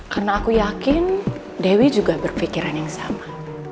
karena aku yakin dewi juga berpikiran yang sama